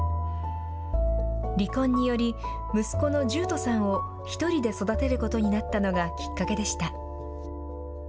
離婚により、息子の十斗さんを１人で育てることになったのがきっかけでした。